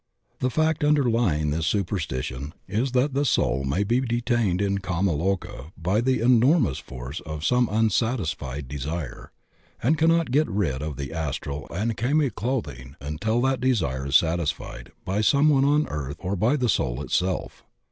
The fact underlying this superstition is that the soul may be detained in kama loka by the enor mous force of some unsatisfied desire, and cannot get KAMA LOKA ORIGIN OF PURGATORY 101 rid of the astral and kamic clothing until that desire is satisfied by some one on earth or by the soul itself.